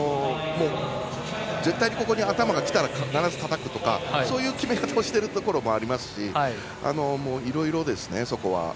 絶対にここに頭がきたら必ずたたくとかそういう決め方をしているところもありますしいろいろですね、そこは。